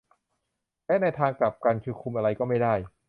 และในทางกลับกันคือคุมอะไรก็ไม่ได้